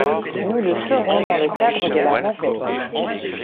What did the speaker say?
Nous le ferons dans le cadre de la navette.